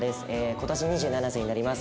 今年２７歳になります。